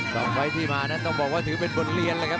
สำไว้ที่มาน่ะต้องบอกว่าถือเป็นบนเรียนเลยครับ